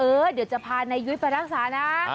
เดี๋ยวจะพานายยุ้ยไปรักษานะ